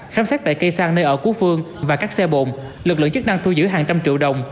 khám sát tại cây xăng nơi ở cú phương và các xe bộn lực lượng chức năng thu giữ hàng trăm triệu đồng